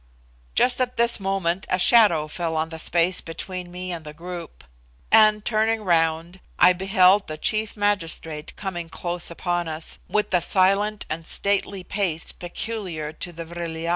Just at this moment a shadow fell on the space between me and the group; and, turning round, I beheld the chief magistrate coming close upon us, with the silent and stately pace peculiar to the Vril ya.